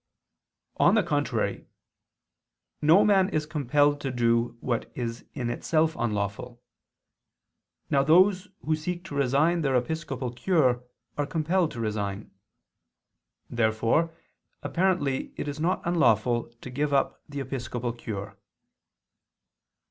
On the contrary, No man is compelled to do what is in itself unlawful. Now those who seek to resign their episcopal cure are compelled to resign (Extra, de Renunt. cap. Quidam). Therefore apparently it is not unlawful to give up the episcopal cure.